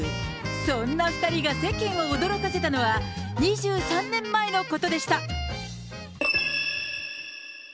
そんな２人が世間を驚かせたのは２３年前のことでした。